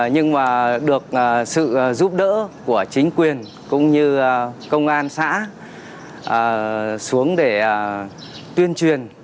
nhưng mà được sự giúp đỡ của chính quyền cũng như công an xã xuống để tuyên truyền